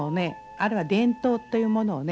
あるいは伝統というものをね